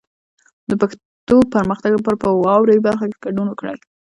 د پښتو پرمختګ لپاره په واورئ برخه کې ګډون وکړئ.